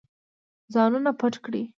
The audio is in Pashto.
ځانونه پټ کړئ.